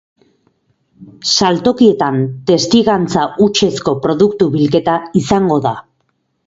Saltokietan testigantza hutsezko produktu bilketa izango da.